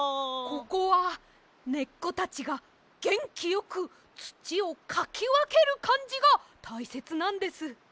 ここはねっこたちがげんきよくつちをかきわけるかんじがたいせつなんです。